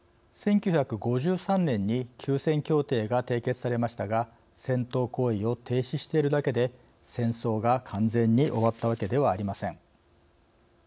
１９５３年に休戦協定が締結されましたが戦闘行為を停止しているだけで戦争が完全に終わったわけではありません。